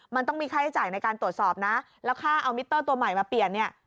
มันต้องมีค่าใช้จ่ายในการตรวจสอบนะแล้วค่าเอามิเตอร์ตัวใหม่มาเปลี่ยนเนี่ย